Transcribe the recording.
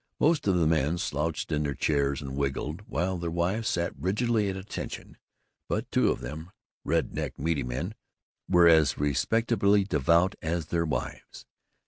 Most of the men slouched in their chairs and wriggled, while their wives sat rigidly at attention, but two of them red necked, meaty men were as respectably devout as their wives.